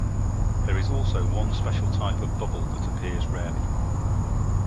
There is also one special type of bubble that appears rarely.